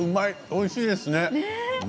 鮎おいしいですね。